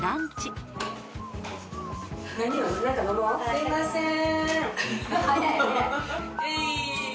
すいません。